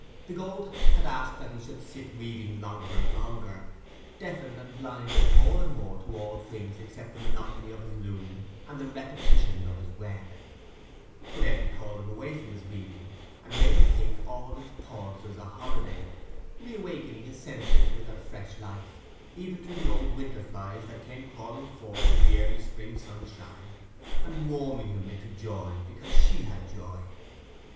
The gold had asked that he should sit weaving longer and longer, deafened and blinded more and more to all things except the monotony of his loom and the repetition of his web; but Eppie called him away from his weaving, and made him think all its pauses a holiday, reawakening his senses with her fresh life, even to the old winter flies that came crawling forth in the early spring sunshine, and warming him into joy because she had joy.